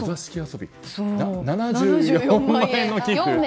７４万円の寄付？